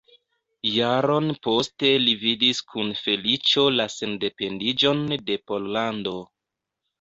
Jaron poste li vidis kun feliĉo la sendependiĝon de Pollando.